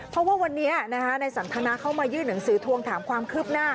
เพราะว่าวันนี้นายสันทนาเข้ามายื่นหนังสือทวงถามความคืบหน้า